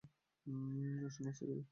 আসো নাস্তা করি।